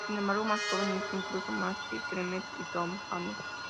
Sin embargo más joven hizo incluso más que Clemenza y Tom Hagen.